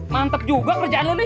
mantep juga kerjaan lu nih